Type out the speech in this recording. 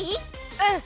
うん！